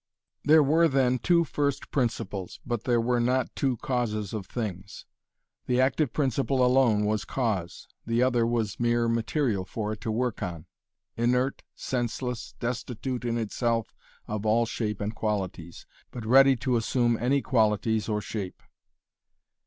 There were then two first principles, but there were not two causes of things. The active principle alone was cause, the other was mere material for it to work on inert, senseless, destitute in itself of all shape and qualities, but ready to assume any qualities or shape.